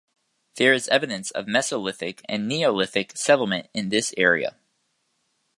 There is evidence of Mesolithic and Neolithic settlement in this area.